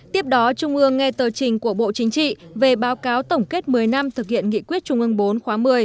tiếp đó trung ương nghe tờ trình của bộ chính trị về báo cáo tổng kết một mươi năm thực hiện nghị quyết trung ương bốn khóa một mươi